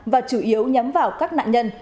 và chủ yếu nhắm vào các nạn nhân